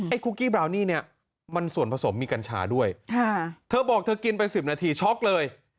คุกกี้บราวนี่เนี่ยมันส่วนผสมมีกัญชาด้วยเธอบอกเธอกินไป๑๐นาทีช็อกเลย